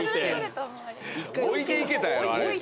置いていけたやろあれ。